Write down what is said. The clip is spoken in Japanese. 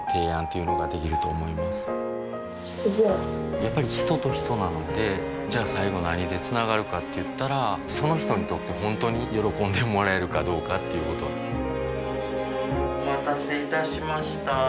やっぱり人と人なのでじゃあ最後何でつながるかって言ったらその人にとって本当に喜んでもらえるかどうかっていうことお待たせいたしました。